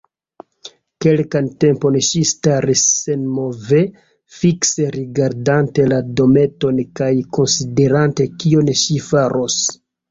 Kelkan tempon ŝi staris senmove, fikse rigardante la dometon kaj konsiderante kion ŝi faros.